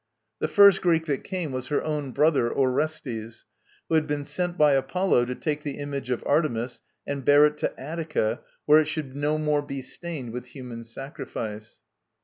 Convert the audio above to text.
The first Greek that came was her own brother, Orestes, who had been sent by Apollo to take the image of Artemis and bear it to Attica, where it should no more be stained with human sacrifice.